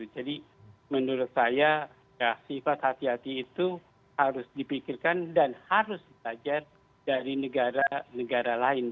jadi menurut saya ya sifat hati hati itu harus dipikirkan dan harus belajar dari negara negara lain